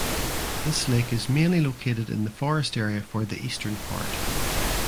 This lake is mainly located in the forest area for the eastern part.